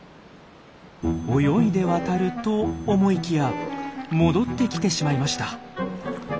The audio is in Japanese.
泳いで渡ると思いきや戻ってきてしまいました。